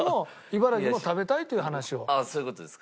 あっそういう事ですか。